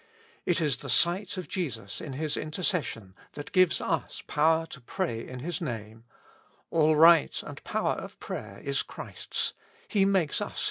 It is the sight of Jesus in His intercession that gives us power to pray in His Name : all right and power of prayer is Christ's ; He makes us share in His intercession.